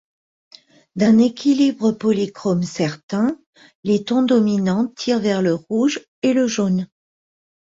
D'un équilibre polychrome certain, les tons dominants tirent vers le rouge et le jaune.